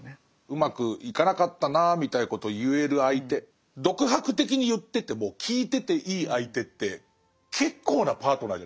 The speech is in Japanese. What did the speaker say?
うまくいかなかったなみたいなことを言える相手独白的に言ってても聞いてていい相手って結構なパートナーじゃないですか。